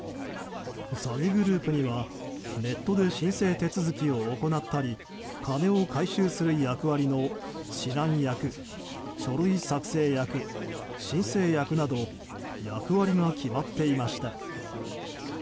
詐欺グループにはネットで申請手続きを行ったり金を回収する役割の指南役書類作成役、申請役など役割が決まっていました。